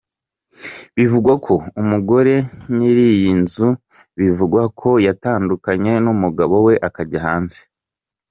Bivugwa ko umugore nyir’iyi nzu bivugwa ko yatandukanye n’umugabo we, akajya hanze.